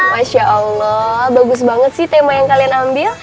masya allah bagus banget sih tema yang kalian ambil